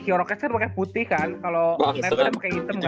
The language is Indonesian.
ya rockets kan pake putih kan kalo internet pake hitam kan